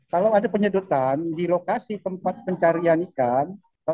kalau ada penyedotan di lokasi tempat pencarian ikan